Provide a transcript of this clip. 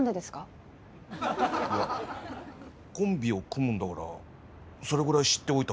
いやコンビを組むんだからそれぐらい知っておいたほうがいいだろ？